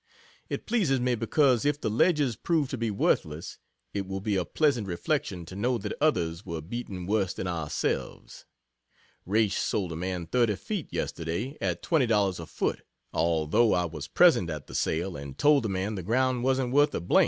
It pleases me because, if the ledges prove to be worthless, it will be a pleasant reflection to know that others were beaten worse than ourselves. Raish sold a man 30 feet, yesterday, at $20 a foot, although I was present at the sale, and told the man the ground wasn't worth a d n.